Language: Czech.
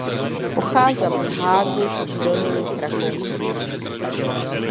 Pocházel z Haagu v Dolních Rakousích.